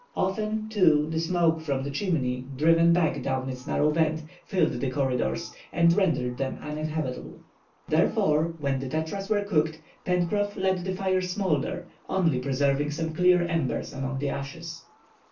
Often, too, the smoke from the chimney, driven back down its narrow vent, filled the corridors, and rendered them uninhabitable. Therefore, when the tetras were cooked Pencroff let the fire smoulder, only preserving some clear embers among the ashes.